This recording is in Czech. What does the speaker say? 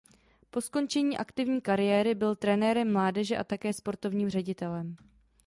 Po skončení aktivní kariéry byl trenérem mládeže a také sportovním ředitelem.